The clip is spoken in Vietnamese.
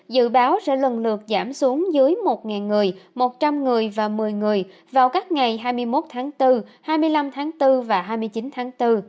dự báo sẽ lần lượt giảm xuống dưới một người một trăm linh người và một mươi người vào các ngày hai mươi một tháng bốn hai mươi năm tháng bốn và hai mươi chín tháng bốn